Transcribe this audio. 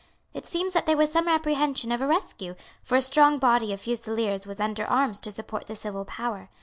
It seems that there was some apprehension of a rescue; for a strong body of fusileers was under arms to support the civil power.